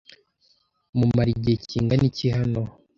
Mumara igihe kingana iki hano?